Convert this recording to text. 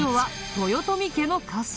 豊臣家の家臣。